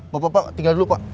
bapak bapak tinggal dulu pak